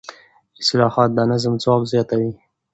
اصلاحات د نظام ځواک زیاتوي